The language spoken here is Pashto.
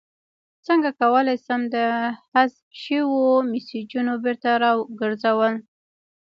څنګه کولی شم د حذف شویو میسجونو بیرته راګرځول